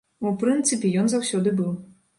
У прынцыпе, ён заўсёды быў.